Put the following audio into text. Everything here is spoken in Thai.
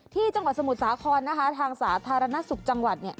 จังหวัดสมุทรสาครนะคะทางสาธารณสุขจังหวัดเนี่ย